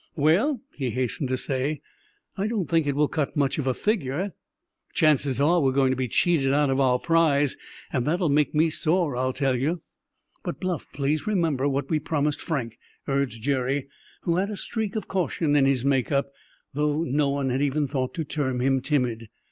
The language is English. "Well," he hastened to say, "I don't think it will cut much of a figure. Chances are we're going to be cheated out of our prize; and that'll make me sore, I tell you." "But, Bluff, please remember what we promised Frank," urged Jerry, who had a streak of caution in his make up, though no one had ever thought to term him timid.